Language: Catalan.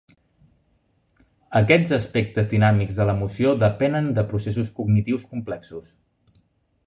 Aquests aspectes dinàmics de l'emoció depenen de processos cognitius complexos.